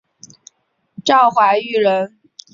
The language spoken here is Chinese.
赵怀玉人。